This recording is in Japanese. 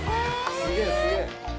すげえすげえ。